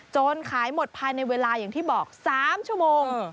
จนขายหมดภายในเวลาอย่างที่บอก๓ชั่วโมง